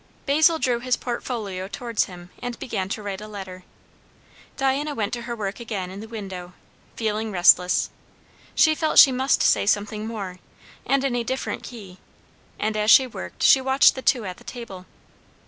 Basil drew his portfolio towards him and began to write a letter. Diana went to her work again in the window, feeling restless. She felt she must say something more, and in a different key, and as she worked she watched the two at the table.